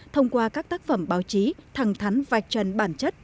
thông qua các tác phẩm báo chí thẳng thắn vạch trần bản chất